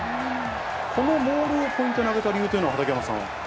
このモールをポイントに挙げた理由というのは、畠山さん。